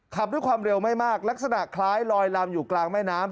ขับด้วยความเร็วไม่มากลักษณะคล้ายลอยลำอยู่กลางแม่น้ำ